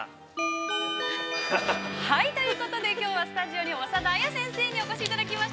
◆ということで、きょうはスタジオに長田絢先生に来ていただきました。